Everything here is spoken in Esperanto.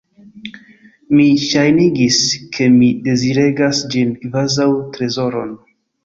Mi ŝajnigis, ke mi deziregas ĝin, kvazaŭ trezoron.